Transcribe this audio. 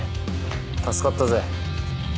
助かったぜ。